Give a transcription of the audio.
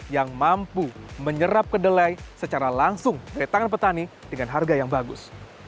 yang mampu menyerap kedelai secara langsung dari tangan petani dengan harga yang bagus